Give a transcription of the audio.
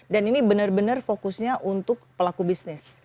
dan ini benar benar fokusnya untuk pelaku bisnis